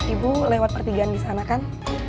ibu lewat pertigaan disana kan